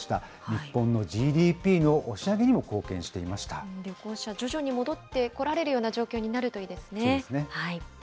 日本のＧＤＰの押し上げにも貢献旅行者、徐々に戻ってこられるような状況になるといいですね。